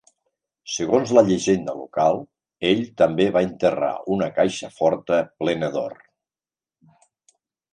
Segons la llegenda local, ell també va enterrar una caixa forta plena d'or.